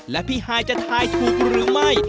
และพี่ฮายจะทายถูกหรือไม่